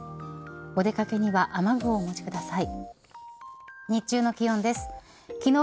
お出掛けには雨具を持ちください。